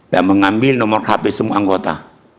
dan mengambil nomor hp semua anggota